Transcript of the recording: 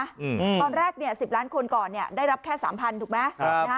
ตอนแรก๑๐ล้านคนก่อนได้รับแค่๓๐๐๐ถูกไหม